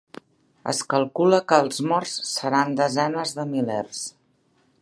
Es calcula que els morts seran desenes de milers.